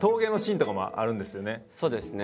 そうですね。